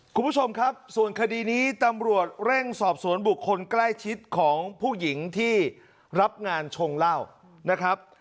คุณผู้ชมครับส่วนคดีนี้ตำรวจเร่งสอบสวนบุคคลใกล้ชิดของผู้หญิงที่รับงานชงเหล้านะครับ